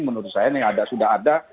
menurut saya ini sudah ada